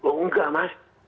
oh enggak mas